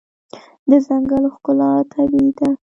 د ځنګل ښکلا طبیعي ده.